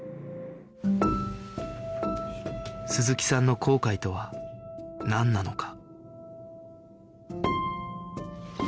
鈴木さんの後悔とはなんなのか？